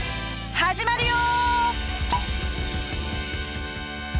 始まるよ！